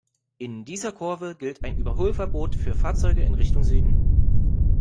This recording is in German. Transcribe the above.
In dieser Kurve gilt ein Überholverbot für Fahrzeuge in Richtung Süden.